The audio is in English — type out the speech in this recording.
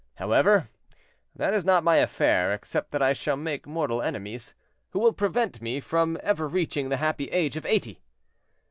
However, that is not my affair, except that I shall make mortal enemies, who will prevent me from ever reaching the happy age of eighty.